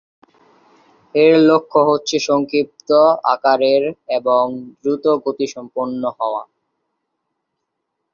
এর লক্ষ্য হচ্ছে সংক্ষিপ্ত আকারের এবং দ্রুতগতিসম্পন্ন হওয়া।